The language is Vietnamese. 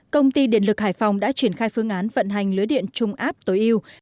công ty điện lực hải phòng đã triển khai phương án vận hành lưới điện trung áp tối yêu